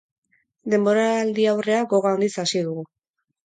Denboraldiaurrea gogo handiz hasi dugu.